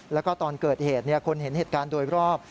แล้วก็ตอนเกิดเหตุคนเห็นเหตุการณ์โดยรอบ